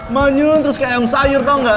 menyun terus kayak ayam sayur tau gak